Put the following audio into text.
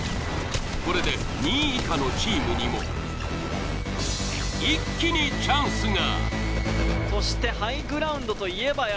これで２位以下のチームにも一気にチャンスが！